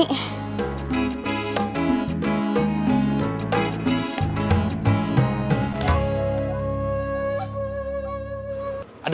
aku gak berani